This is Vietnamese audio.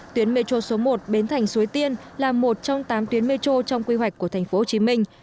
tuyến metro số một biến thành suối tiên là một trong tám tuyến metro trong quy hoạch của thành phố hồ chí minh